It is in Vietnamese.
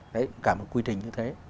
đấy cả một quy trình như thế